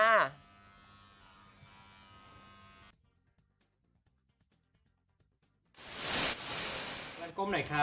ก้มหน่อยครับ